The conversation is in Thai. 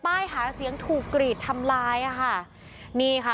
หาเสียงถูกกรีดทำลายอ่ะค่ะนี่ค่ะ